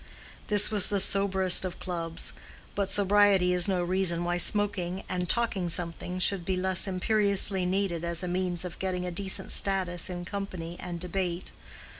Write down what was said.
This was the soberest of clubs; but sobriety is no reason why smoking and "taking something" should be less imperiously needed as a means of getting a decent status in company and debate.